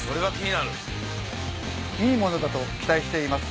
いいものだと期待しています。